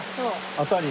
当たり。